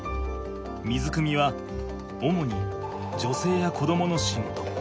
水くみは主に女性や子どもの仕事。